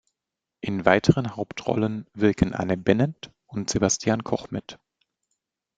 In weiteren Hauptrollen wirken Anne Bennent und Sebastian Koch mit.